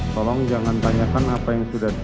tolong jangan tanyakan apa yang sudah